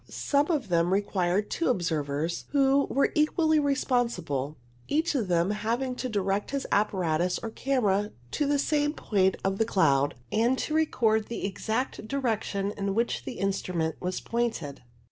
Some of them required two observers, who were equally respon sible, each of them having to direct his apparatus or camera to the same point of the cloud, and to record 137 T 138 CLOUD ALTITUDES the exact direction in which the instrument was pointed.